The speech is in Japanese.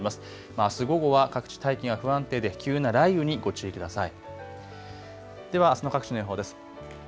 あす午後は各地大気が不安定で急な雷雨にご注意ください。